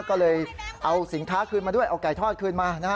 ก็เลยเอาสินค้าคืนมาด้วยเอาไก่ทอดคืนมานะฮะ